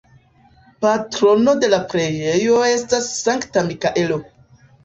Patrono de la preĝejo estas Sankta Mikaelo.